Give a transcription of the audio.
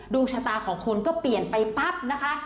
ดวงชะตาของคุณก็เปลี่ยนไปปั๊บนะคะ